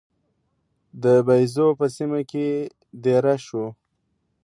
د باییزو په سیمه کې دېره شو.